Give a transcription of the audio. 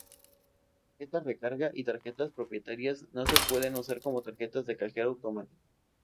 Tarjetas recarga y tarjetas propietarias no se pueden usar como tarjetas de Cajero automático.